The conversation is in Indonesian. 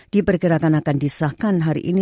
diperkirakan akan disahkan hari ini